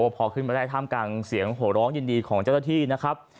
พอขึ้นมาได้ท่ามกลางเสียงโหร้องยินดีของเจ้าหน้าที่นะครับ